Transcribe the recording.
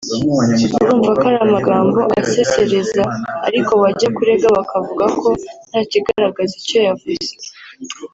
urumva ko ari amagambo asesereza ariko wajya kurega bakavuga ko ntakigaragaza icyo yavuze